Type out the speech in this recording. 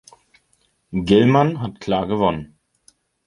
Gilman hat klar gewonnen.